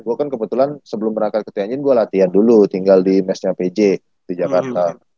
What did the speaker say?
gue kan kebetulan sebelum berangkat ke tanjin gue latihan dulu tinggal di mesnya pj di jakarta